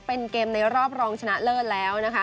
เป็นเกมในรอบรองชนะเลิศแล้วนะคะ